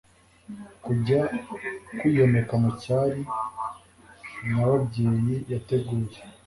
kujya kwiyomeka mu cyari nyababyeyi yateguye